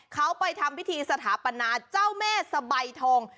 เขาไปทำพิธีสถาปนาเจ้าแม่สะใบทอง